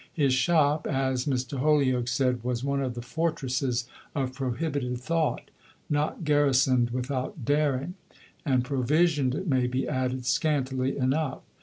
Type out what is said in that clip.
His shop, as Mr. Holyoake said, was one of the "fortresses of prohibited thought, not garrisoned without daring"; and provisioned, it may be added, scantily enough.